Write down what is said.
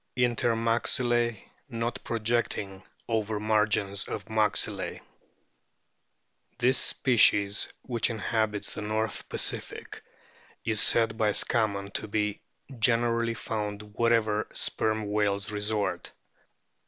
Inter maxilke not projecting over margins of maxillae. This species, which inhabits the North Pacific, is said by Scammon to be "generally found wherever Sperm whales resort."